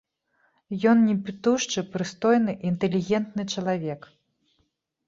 Ён не пітушчы, прыстойны, інтэлігентны чалавек.